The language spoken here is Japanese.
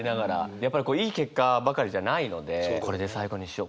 やっぱりいい結果ばかりじゃないのでこれで最後にしよう